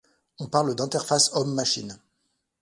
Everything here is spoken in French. On parle d'interface homme-machine.